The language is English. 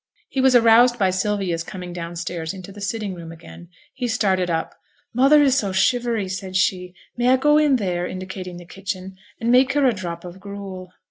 He was aroused by Sylvia's coming down stairs into the sitting room again. He started up. 'Mother is so shivery,' said she. 'May I go in there,' indicating the kitchen, 'and make her a drop of gruel?'